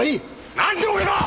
なんで俺が！？